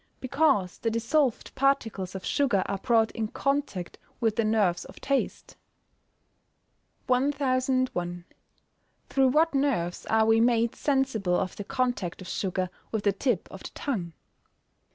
_ Because the dissolved particles of sugar are brought in contact with the nerves of taste. 1001. _Through what nerves are we made sensible of the contact of sugar with the tip of the tongue?